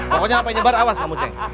pokoknya apa yang nyebar awas kamu cek